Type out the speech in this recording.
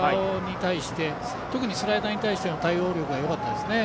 特にスライダーに対しての対応力がよかったですね。